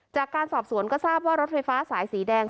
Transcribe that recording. จากการสอบสวนก็ทราบว่ารถไฟฟ้าสายสีแดง